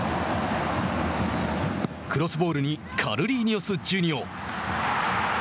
クロスボールにカルリーニョス・ジュニオ。